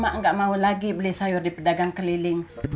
mak nggak mau lagi beli sayur di pedagang keliling